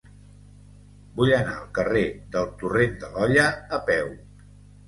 Vull anar al carrer del Torrent de l'Olla a peu.